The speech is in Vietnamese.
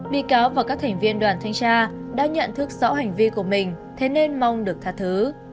bị cáo và các thành viên đoàn thanh tra đã nhận thức rõ hành vi của mình thế nên mong được tha thứ